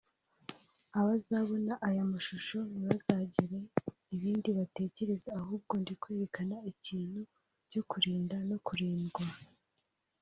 abazabona aya mashusho ntibazagire ibindi batekereza ahubwo ndi kwerekana ikintu cyo kurinda no kurindwa